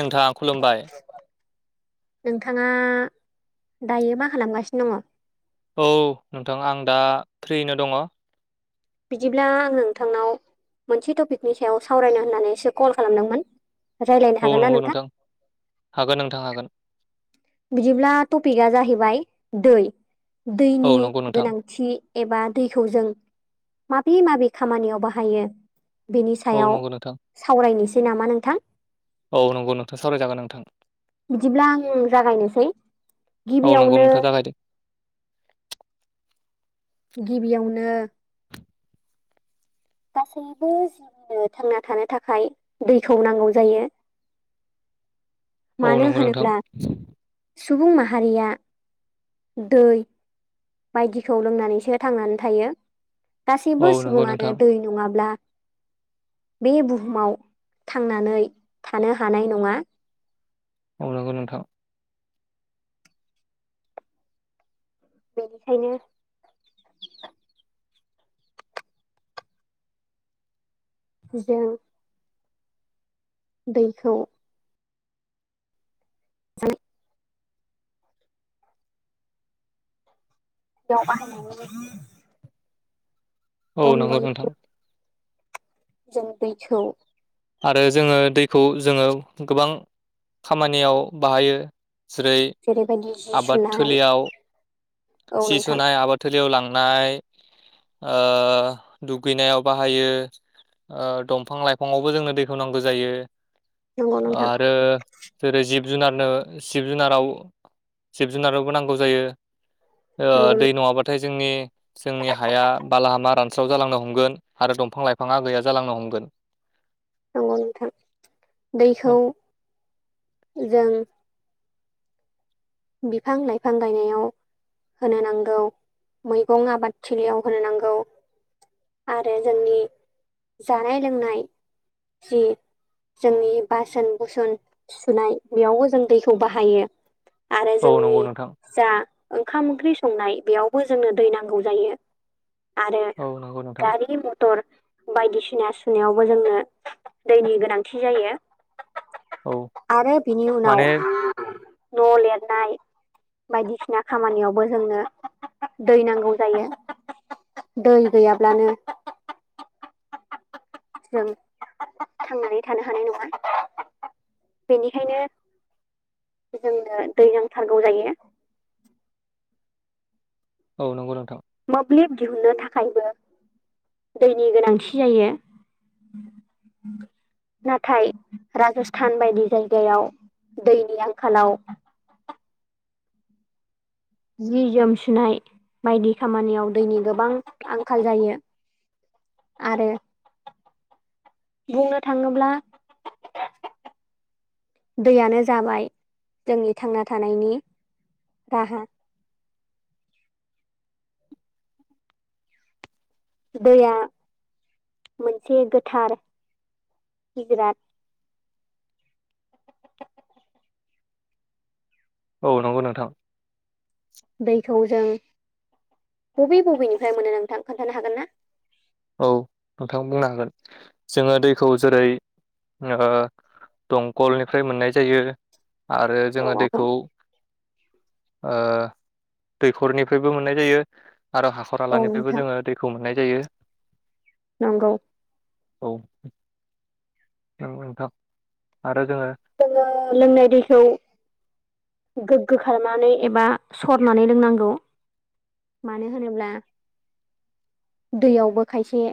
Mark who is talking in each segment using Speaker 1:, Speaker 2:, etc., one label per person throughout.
Speaker 1: नोंथाङा खुलुमबाय।
Speaker 2: नोंथाङा दायो मा खालामगासिनो दङ।
Speaker 1: औ नोंथां आं दा फ्रिनो दङ।
Speaker 2: बिदिब्ला आं नोंथांनाव मोनसे टपिकनि सायाव सावरायनो होननानैसो कल खालामदोंमोन। रायज्लायनो हागोन ना नोंथां।
Speaker 1: हागोन नोंथां हागोन।
Speaker 2: बिदिब्ला टपिकआ जाहैबाय दै।
Speaker 1: औ
Speaker 2: दैनि
Speaker 1: नंगौ नोंथां
Speaker 2: गोनांथि एबा दैखौ जों। माबे माबे खामानियाव बाहायो बेनि
Speaker 1: औ
Speaker 2: सायाव
Speaker 1: नंगौ नोंथां
Speaker 2: सावरायनोसै। नामा नोंथां?
Speaker 1: औ नंगौ नोंथां सावरायजागोन नोंथां।
Speaker 2: बिदिब्ला आं जागायनोसै
Speaker 1: औ नंगौ
Speaker 2: गिबियावनो
Speaker 1: नोंथाङा जागायदो
Speaker 2: गिबियावनो गासैबो जिबिनो थांना थानो थाखाय दैखौ नांगौ जायो।
Speaker 1: औ
Speaker 2: मानो
Speaker 1: नंगौ नोंथां
Speaker 2: होनोब्ला सुबुं माहारिया दै बायदिखौ लोंनानैसो थांनानै थायो।
Speaker 1: औ
Speaker 2: गासैबो
Speaker 1: नंगौ
Speaker 2: सुबुङानो
Speaker 1: नोंथां
Speaker 2: दै नङाब्ला बे बुहुमाव थांनानै थानो हानाय नङा।
Speaker 1: ओ नांगौ नोंथां।
Speaker 2: बेनिखायनो जों दैखौ ज [unintelligible] बाहायो
Speaker 1: औ नंगौ नोंथां।
Speaker 2: जों दैखौ
Speaker 1: आरो जोङो दैखौ जोङो गोबां खामानियाव बाहायो‌। जेरै
Speaker 2: जेरैबायदि जि
Speaker 1: आबाद
Speaker 2: सुनाय
Speaker 1: थिलियाव
Speaker 2: औ
Speaker 1: सि
Speaker 2: नोंथां
Speaker 1: सुनाय आबाद थिलियाव लाङो दुगैनायाव बाहायो। दंफां लाइफांआवबो जोंङनो दैखौ नांगौ जायो।
Speaker 2: नंगौ नोंथां
Speaker 1: आरो जिब- जिब जुनारनोब जुनाराव जिब जुनारावबो नांगौ जायो।
Speaker 2: नंगौ
Speaker 1: दै नङाबाथाय जोंनि जोंनि हाया बालाहामा रानस्राव जालांनो हमगोन आरो दंफां लाइफाङा गैया जालांनो हमगोन।
Speaker 2: [inaudible] नंगौ नोंथां दैखौ जों बिफां लाइफां गायनायाव होनो नांगौ मैगं आबादथिलियाव होनो नांगौ। आरो जोंनि जानाय लोंनाय जि जोंनि बासोन बुसोन सुनाय बेयावबो जों दैखौ बाहायो। आरो
Speaker 1: औ नंगौ
Speaker 2: जोंनि
Speaker 1: नोंथां
Speaker 2: जा ओंखाम ओंख्रि संनाय बेयावबो जोंनो दै नांगौ जायो‌। आरो
Speaker 1: औ नंगौ नोंथां
Speaker 2: गारि मटर बायदिसिना सुनायावबो जोंनो दैनि गोनांथि जायो।
Speaker 1: औ
Speaker 2: आरो बिनि उनाव
Speaker 1: माने
Speaker 2: न' लेर नाय बायदिसिना खामानियावबो जोंनो दै नांगौ जायो। दै गैयाब्लानो जों थांनानै थानो हानाय नङा। बेनिखायनो जोंनो दै नांथारगौ जायो।
Speaker 1: औ नंगौ नोंथां।
Speaker 2: मोब्लिब दिहुनन्नो थाखायबो दैनि गोनांथि जायो। [inaudible] नाथाय राजस्थान बायदि जायगायाव दैनि आंखालाव [inaudible] जि जोम सुनाय बायदि खामानियाव दैनि गोबां आंखाल जायो। आरो बुंनो थाङोब्ला दैयानो जाबाय जोंनि थांना थानायनि राहा। दैया मोनसे गोथार गुजरात
Speaker 1: औ नंगौ नोंथां।
Speaker 2: औ जों बबे बबेनिफ्राय मोनो नोंथां खोन्थानो हागोन ना?
Speaker 1: औ नोंथां बुंनो हागोन जोङो दैखौ जेरै ओ दंखलनिफ्राय मोननाय जायो आरो
Speaker 2: औ
Speaker 1: जोङो
Speaker 2: आब'
Speaker 1: दैखौ ओ दैखरनिफ्रायबो मोननाय जायो। आरो हाखर
Speaker 2: औ
Speaker 1: हालानिफ्रायबो
Speaker 2: नोंथां
Speaker 1: जोङो दैखौ मोननाय जायो।
Speaker 2: नंगौ
Speaker 1: औ नंगौ नोंथां आरो जोङो
Speaker 2: जोङो लोंनाय दैखौ गोग्गो खालामनानै एबा सरनानै लोंनांगौ। मानो होनोब्ला दैयावबो खायसे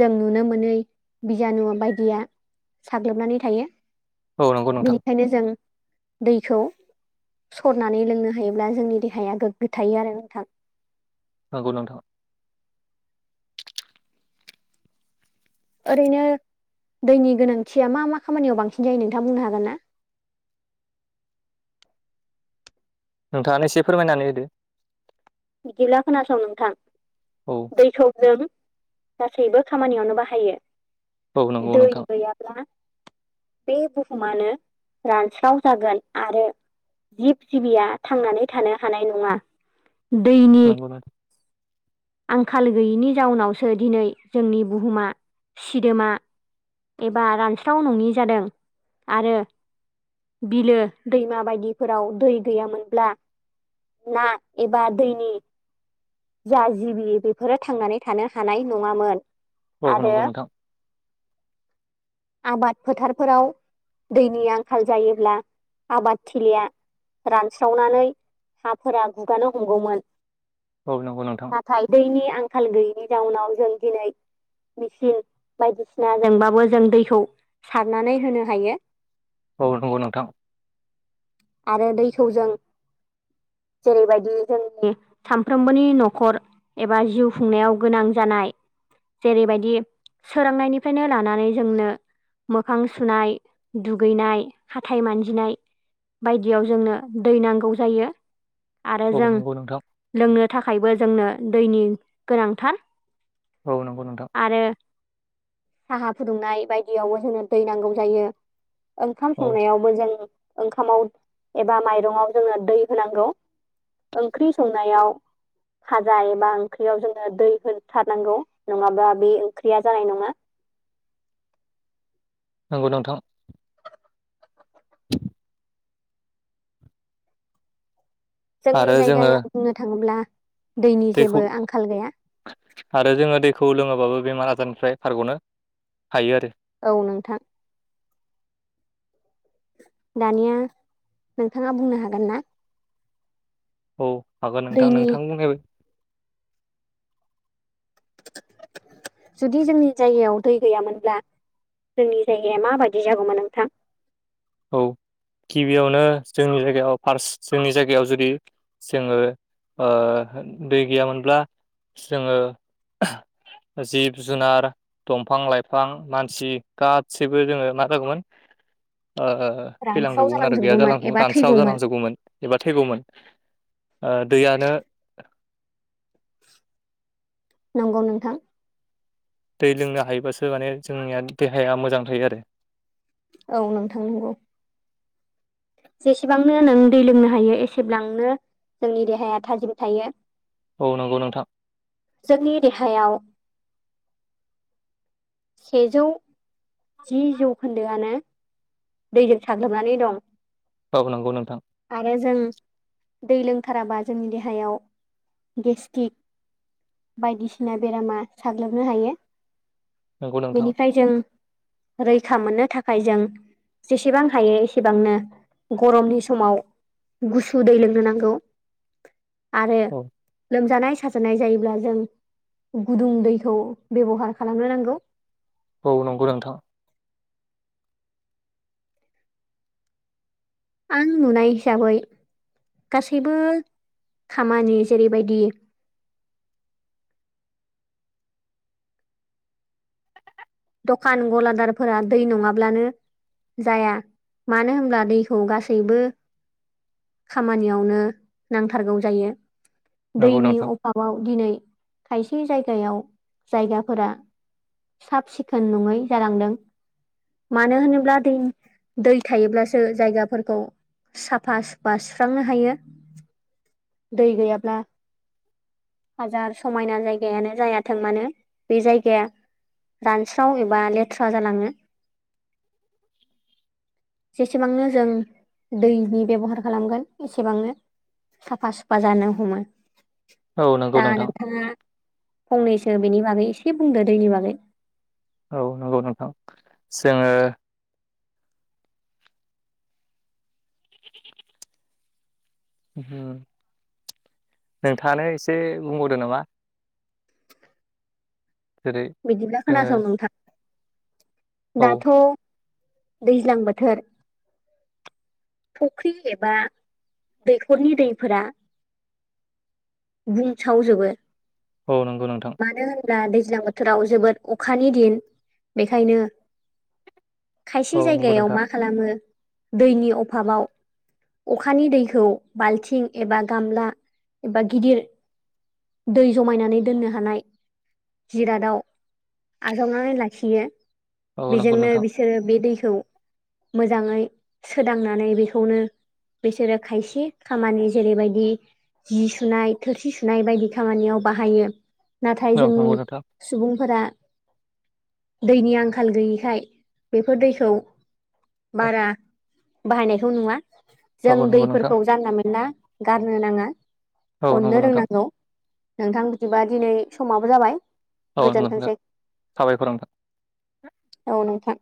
Speaker 2: जों नुनो मोनै बिजानु बायदिया साग्लोबनानै थायो।
Speaker 1: औ नंगौ नोंथां
Speaker 2: बेनिखायनो जों दैखौ सरनानै लोंनो हायोब्ला जोंनि देहाया गोग्गो थायो आरो नोंथां।
Speaker 1: नंगौ नोंथां
Speaker 2: ओरैनो दैनि गोनांथिया मा मा खामानियाव बांसिन जायो नोंथाङा बुंनो हागोन ना? [inaudible]
Speaker 1: नोंथाङानो एसे फोरमायनानै होदो।
Speaker 2: बिदिब्ला खोनासं नोंथां
Speaker 1: औ
Speaker 2: दैखौजों गासैबो खामानियावनो बाहायो
Speaker 1: औ नंगौ
Speaker 2: दै
Speaker 1: नोंथां
Speaker 2: गैयाब्ला बे बुहुमानो रान्स्राव जागोन आरो जिब जिबिया थांनानै थानो हानाय नङा। दैनि
Speaker 1: नंगौ नोंथां
Speaker 2: आंखाल गैयिनि जाउनावसो दिनै जोंनि बुहुमा सिदोमा एबा रानस्राव नङि जादों आरो। बिलो दैमा बायदिफोराव दै गैयामोनब्ला ना एबा दैनि जा जिबि बेफोरो थांनानै थानो हानाय नङामोन।
Speaker 1: औ
Speaker 2: आरो
Speaker 1: नंगौ नोंथां
Speaker 2: आबाद फोथारफोराव दैनि आंखाल जायोब्ला आबादथिलिया रानस्रावनानै हाफोरा गुगानो हमगौमोन।
Speaker 1: औ नंगौ नोंथां
Speaker 2: नाथाय दैनि आंखाल गैनि जाउनाव जों दिनै बिसिम बायदिसिना नोंबाबो जों दैखौ सारनानै होनो हायो।
Speaker 1: औ नंगौ नोंथां
Speaker 2: आरो दैखौ जों जेरैबायदि जोंनि सामफ्रोमबोनि न'खर एबा जिउ खुंनायाव गोनां जानाय जेरैबायदि सोरोंनायनिफ्रायनो लानानै जोंनो मोखां सुनाय दुगैनाय हाथाइ मानजिनाय बायदियाव जोंनो दै नांगौ जायो आरो
Speaker 1: औ
Speaker 2: जों
Speaker 1: नंगौ नोंथां
Speaker 2: लोंनो थाखायबो जोंनो दैनि गोनांथार।
Speaker 1: औ नंगौ नोंथां
Speaker 2: आरो साहा फुदुंनाय बायदियावबो जोंनो दै नांगौ जायो। ओंखाम
Speaker 1: औ
Speaker 2: संनायावबो जों ओंखामाव एबा माइरंआव जोङो दै होनांगौ। ओंख्रि संनायाव भाजा एबा ओंख्रियाव जोङो दै होथारनांगौ नङाबा बे ओंख्रिया जानाय नङा। [inaudible]
Speaker 1: नंगौ नोंथां [inaudible]
Speaker 2: जोंनि
Speaker 1: आरो जोङो
Speaker 2: जायगायाव बुंनो थाङोब्ला दैनि
Speaker 1: दैखौ
Speaker 2: जेबो आंखाल गैया
Speaker 1: आरो जोङो दैखौ लोङोब्ला ब्लाबो बेमार आजारनिफ्राय खारगनो हायो आरो
Speaker 2: औ नोंथां दानिया नोंथाङा बुंनो हागोन ना
Speaker 1: औ हागोन नोंथां
Speaker 2: दैनि
Speaker 1: नोंथां बुंनायबाय
Speaker 2: जुदि जोंनि जायगायाव दै गैयामोनब्ला जोंनि जायगाया माबायदि जागौमोन नोंथां
Speaker 1: औ गिबियावनो जोंनि जायगायाव फार्स्ट जोंनि जायगायाव जुदि जोङो ओ दै गैयामोनब्ला जोङो जिब जुनार दंफां लाइफां मानसि गासैबो जोङो मा जागौमोन
Speaker 2: [inaudible]
Speaker 1: ओ
Speaker 2: रानस्राव
Speaker 1: थैलांजगौमोन आरो गैया
Speaker 2: जालांजोबगौमोन
Speaker 1: जालांगौमोन
Speaker 2: एबा
Speaker 1: रानस्राव
Speaker 2: थैगौमोन
Speaker 1: जालांजगौमोन एबा थैगौमोन दैयानो
Speaker 2: नंगौ नोंथां
Speaker 1: दै लोंनो हायोबासो माने जोंनिया देहाया मोजां थायो आरो
Speaker 2: औ नोंथां नंगौ जेसेबांनो नों दै लोंनो हायो एसेब्लांनो जोंनि देहाया थाजिम थायो।
Speaker 1: औ नंगौ नोंथां
Speaker 2: जोंनि देहायाव सेेजौ जि जौखोन्दोआनो दैजों साग्लोबनानै दं।
Speaker 1: औ नंगौ नोंथां
Speaker 2: आरो जों दै लोंथाराबा जोंनि देहायाव गेस्टिक बायदिसिना बेरामा साग्लोबनो हायो।
Speaker 1: नंगौ नोंथां
Speaker 2: बेनिफ्राय जों रैखा मोननो थाखाय जों जेसेबां हायो एसेबांनो गरमनि समाव गुसु दै लोंनो नांगौ आरो
Speaker 1: औ
Speaker 2: लोमजानाय साजानाय जायोब्ला जों गुदुं दैखौ बेब'हार खालामनो नांगौ।
Speaker 1: औ नंगौ नोंथां।
Speaker 2: आं नुनाय हिसाबै गासैबो खामानि जेरैबायदि दखान गलादारफोरा दै नङाब्लानो जाया मानो होनब्ला दैखौ गासैबो खामानियावनो नांथारगौ जायो
Speaker 1: नंगौ
Speaker 2: दैनि
Speaker 1: नोंथां
Speaker 2: अभाबाव दिनै खायसे जायगायाव जायगाफोरा साब सिख खोन नङै जालांदों। मानो होनोब्ला दै दै थायोब्लासो जायगाफोरखौ साफा सुफा सुस्रांनो हायो। दै गैयाब्ला हाजार समायना जायगायानो जायाथों मानो बे जायगाया रान स्राव एबा लेथ्रा जालाङो। जेसेबांनो जों दैनि बेबहार खालामगोन एसेबांनो साफा सुफा जानो हमो।
Speaker 1: औ नंगौ
Speaker 2: दा
Speaker 1: नोंथां
Speaker 2: नोंथाङा फंनैसो बेनि बागै एसे बुंदो दैनि बागै।
Speaker 1: औ नंगौ नोंथां जोङो [inaudible] [inaudible] नोंथाङानो एसे बुंबावदो नामा? जेरै
Speaker 2: बिदिब्ला
Speaker 1: जोङो
Speaker 2: खोनासं नोंथां।
Speaker 1: औ
Speaker 2: दाथ' दैज्लां बोथोर फख्रि एबा दैख'रनि दैफोरा बुंसावजोबो।
Speaker 1: औ नंगौ नोंथां।
Speaker 2: ब्ला दैज्लां बोथोराव जोबोद अखानि दिन बेखायनो खायसे
Speaker 1: औ नंगौ
Speaker 2: जायगायाव
Speaker 1: नोंथां
Speaker 2: मा खालामो दैनि अभाबाव अखानि दैखौ बाल्थिं एबा गामला एबा गिदिर दै जमायनानै दोननो हानाय जिरादाव आजावनानै लाखियो।
Speaker 1: औ नंगौ
Speaker 2: बेजोंनो
Speaker 1: नोंथां
Speaker 2: बिसोरो बे दैखौ मोजाङै सोदांना नानै बेखौनो बिसोरो खायसे खामानि जेरैबायदि जि सुनाय थोरसि सुनाय बायदि खामानियाव बाहायो। नाथाय
Speaker 1: औ
Speaker 2: जोंनि
Speaker 1: नंगौ नोंथां औ
Speaker 2: सुबुंफोरा दैनि आंखाल गैयिखाय बेफोर दैखौ बारा बाहायनायखौ नुवा
Speaker 1: औ
Speaker 2: जों
Speaker 1: नंगौ नोंथां
Speaker 2: दैफोरखौ जानला मेनला गारनो नाङा।
Speaker 1: औ नंगौ
Speaker 2: अननो
Speaker 1: नोंथां
Speaker 2: रोंनांगौ। नोंथां बिदिबा दिनै समाबो जाबाय।
Speaker 1: औ [unintelligible] नोंथां
Speaker 2: गोजोनथोंसै
Speaker 1: साबायखर नोंथां।
Speaker 2: औ नोंथां।